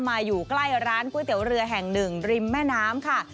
อยู่ใกล้ร้านก๋วยเตี๋ยวเรือแห่งหนึ่งริมแม่น้ำค่ะ